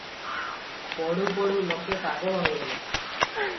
ପଢ଼ୁ ପଢ଼ୁ ଲୋକେ ପାଗଳ ହୋଇଗଲେ ।